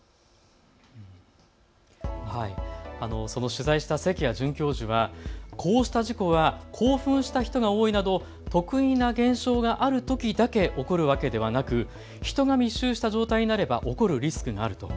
取材した関谷准教授はこうした事故は興奮した人が多いなど特異な現象があるときだけ起こるわけではなく、人が密集した状態になれば起こるリスクがあると。